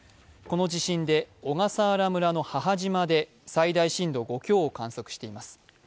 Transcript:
この地震で小笠原村の母島で最大震度５強を観測しています。